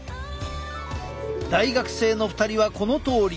大学生の２人はこのとおり。